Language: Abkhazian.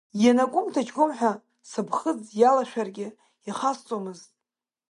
Ианакәым-ҭаҷкәым ҳәа, сыԥхыӡ иалашәаргьы ихасҵомызт.